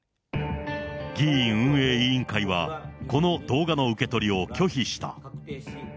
議院運営委員会は、この動画の受け取りを拒否した。